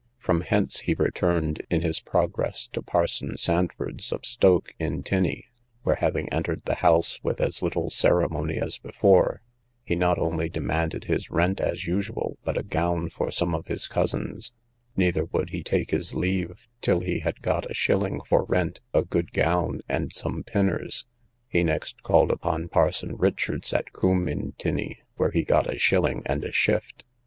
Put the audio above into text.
From hence he returned in his progress to parson Sandford's, of Stoke, in Tinney, where, having entered the house with as little ceremony as before, he not only demanded his rent, as usual, but a gown for some of his cousins: neither would he take his leave till he had got a shilling for rent, a good gown, and some pinners. He next called upon parson Richards, at Coombe, in Tinney, where he got a shilling and a shift.